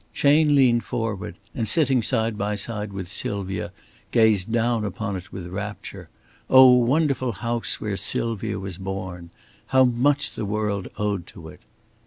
Chayne leaned forward, and sitting side by side with Sylvia, gazed down upon it with rapture. Oh, wonderful house where Sylvia was born! How much the world owed to it!